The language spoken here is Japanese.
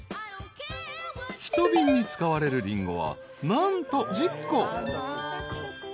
［一瓶に使われるリンゴは何と１０個］